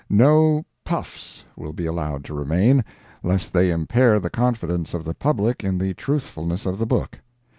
No "puffs" will be allowed to remain, lest they impair the confidence of the public in the truthfulness of the book.